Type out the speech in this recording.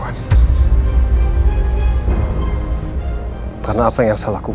kalau pernikahan aku lagi lagi dihianati oleh perselikuan